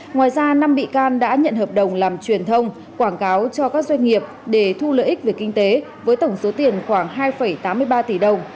ngoài ra năm bị can đã nhận hợp đồng làm truyền thông quảng cáo cho các doanh nghiệp để thu lợi ích về kinh tế với tổng số tiền khoảng hai tám mươi ba tỷ đồng